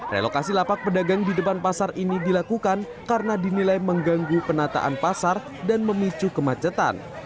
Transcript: relokasi lapak pedagang di depan pasar ini dilakukan karena dinilai mengganggu penataan pasar dan memicu kemacetan